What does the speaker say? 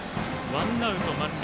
ワンアウト満塁。